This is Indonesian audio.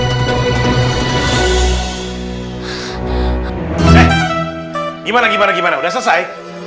eh gimana gimana udah selesai